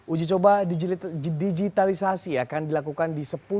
uji coba digitalisasi akan dilakukan di sepuluh